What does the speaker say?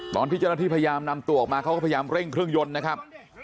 ตอนที่เจ้าหน้าที่พยายามนำตัวออกมาเขาก็พยายามเร่งเครื่องยนต์นะครับ